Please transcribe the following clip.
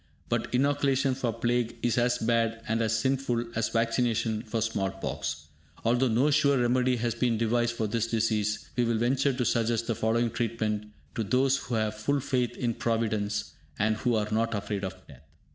But inoculation for plague is as bad and as sinful as vaccination for small pox. Although no sure remedy has been devised for this disease, we will venture to suggest the following treatment to those who have full faith in Providence, and who are not afraid of death.